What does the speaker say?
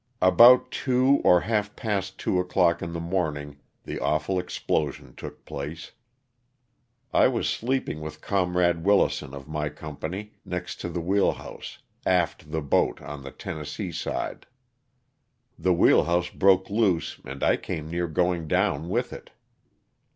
About two or half past two o'clock in the morning the awful explosion took place. I was sleeping with comrade Wilison of my company, next to the wheel house, aft the boat on the Tennessee side. The wheel house broke loose and I came near going down with it.